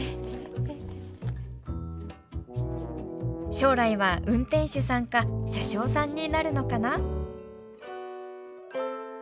将来は運転手さんか車掌さんになるのかな？